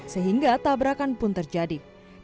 sehingga tabrakan pun terjadi